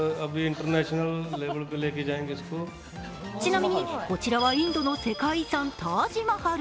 ちなみに、こちらはインドの世界遺産タージ・マハル。